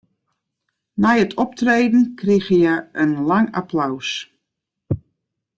Nei it optreden krigen hja in lang applaus.